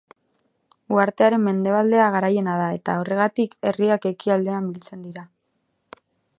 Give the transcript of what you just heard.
Uhartearen mendebaldea garaiena da eta, horregatik, herriak ekialdean biltzen dira.